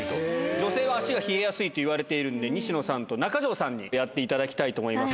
女性は足が冷えやすいといわれているんで、西野さんと中条さんにやっていただきたいと思います。